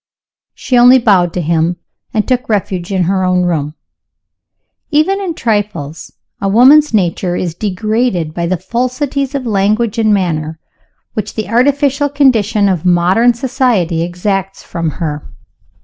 She only bowed to him, and took refuge in her own room. Even in trifles, a woman's nature is degraded by the falsities of language and manner which the artificial condition of modern society exacts from her.